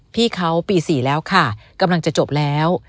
พี่เขาปี๔แล้วค่ะกำลังจะจบแล้ว